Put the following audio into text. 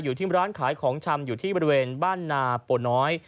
อยู่ที่ร้านขายของชำอยู่ที่บริเวณบ้านนาโปน้อย